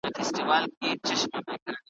جلا لا به را ژوندۍ کي `